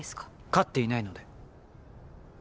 勝っていないので